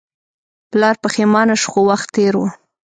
پلار پښیمانه شو خو وخت تیر و.